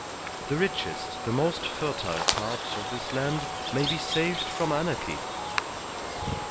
The richest, the most fertile part of this land may be saved from anarchy.